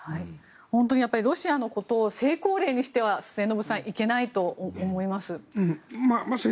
本当にロシアのことを成功例にしては末延さん、いけないと思います。